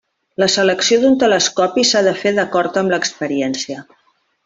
La selecció d'un telescopi s'ha de fer d'acord amb l'experiència.